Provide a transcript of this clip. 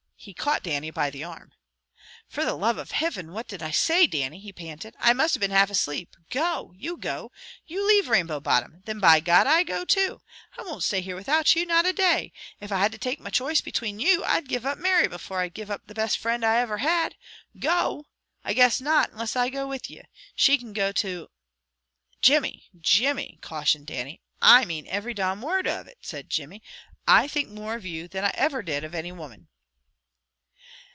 He caught Dannie by the arm. "For the love of Hivin, what did I say, Dannie?" he panted. "I must have been half asleep. Go! You go! You leave Rainbow Bottom! Thin, by God, I go too! I won't stay here without you, not a day. If I had to take my choice between you, I'd give up Mary before I'd give up the best frind I iver had. Go! I guess not, unless I go with you! She can go to " "Jimmy! Jimmy!" cautioned Dannie. "I mane ivery domn word of it," said Jimmy. "I think more of you, than I iver did of any woman."